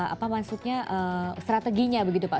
apa maksudnya strateginya begitu pak